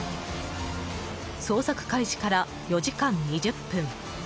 捜索開始から４時間２０分。